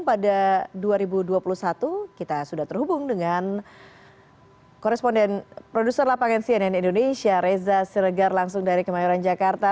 pada dua ribu dua puluh satu kita sudah terhubung dengan koresponden produser lapangan cnn indonesia reza siregar langsung dari kemayoran jakarta